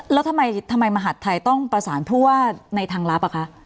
แล้วทำไมมหาดไทยต้องประสานผู้ว่าในทางลับอ่ะคะ